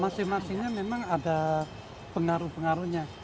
masing masingnya memang ada pengaruh pengaruhnya